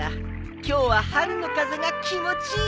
今日は春の風が気持ちいいねえ！